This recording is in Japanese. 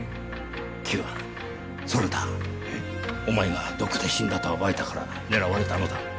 お前が毒で死んだと暴いたから狙われたのだ。